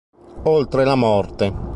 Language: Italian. Oltre la morte